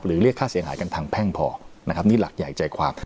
เรียกค่าเสียหายกันทางแพ่งพอนะครับนี่หลักใหญ่ใจความ